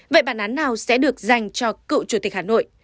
vậy bản án nào sẽ được dành cho cựu chủ tịch hà nội